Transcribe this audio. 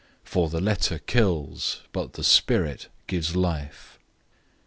For the letter kills, but the Spirit gives life.